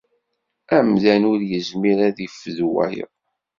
Amdan ur izmir ad d-ifdu wayeḍ.